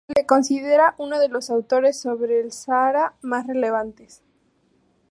Se le considera uno de los autores sobre el Sáhara más relevantes.